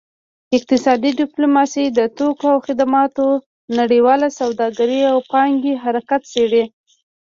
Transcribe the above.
اقتصادي ډیپلوماسي د توکو او خدماتو نړیواله سوداګرۍ او پانګې حرکت څیړي